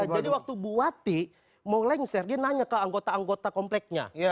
jadi waktu buati mau lengser dia nanya ke anggota anggota kompleknya